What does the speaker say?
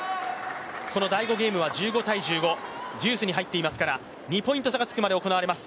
この第５ゲームは１５−１５、ジュースに入っていますから、２ポイント差がつくまで行われます